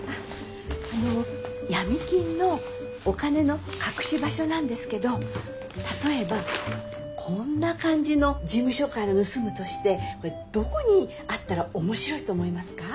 あの闇金のお金の隠し場所なんですけど例えばこんな感じの事務所から盗むとしてこれどこにあったら面白いと思いますか？